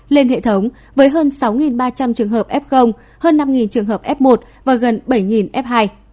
lên hệ thống với hơn sáu ba trăm linh trường hợp f hơn năm trường hợp f một và gần bảy f hai